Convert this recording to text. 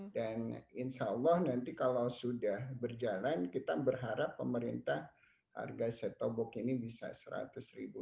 dan insya allah nanti kalau sudah berjalan kita berharap pemerintah harga setobok ini bisa rp seratus